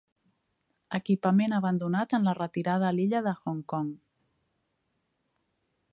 Equipament abandonat en la retirada a l'illa de Hong Kong.